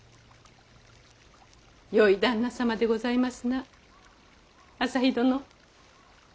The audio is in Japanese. よい旦那様でございますな旭殿。